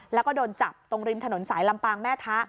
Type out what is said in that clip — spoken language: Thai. แล้วก็โดนจับตรงริมถนนสายลำปางแม่ทะ